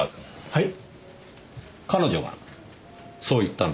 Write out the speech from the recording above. はい。